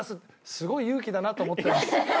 すごい勇気だなと思ってます。